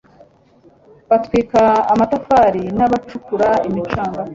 batwika amatafari n abacukura imicanga